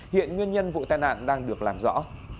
hiện nguyên nhân vụ tai nạn đang được làm rõ